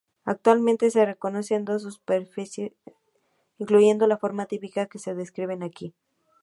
Actualmente, se reconocen dos subespecies, incluyendo la forma típica que se describe aquí.